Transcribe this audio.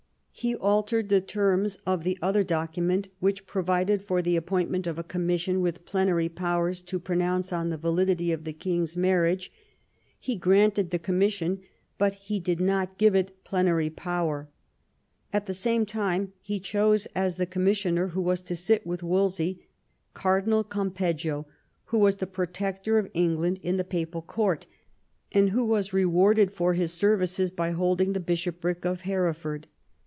He altered the terms of the other document, which provided for the appointment of a com mission with plenary powers to pronounce on the validity of the king^s marriage ; he granted the commission, but did not give it plenary power ; at the same time he chose as the commissioner who was to sit with Wolsey Cardinal Campeggio, who was the protector of England in the Papal Court, and who was rewarded for his services by holding the bishopric of Hereford.